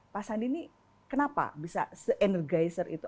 pak sandi ini kenapa bisa se energizer itu